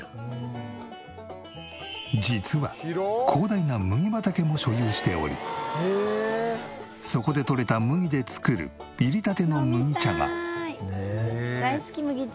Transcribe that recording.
実は広大な麦畑も所有しておりそこで取れた麦で作る大好き麦茶。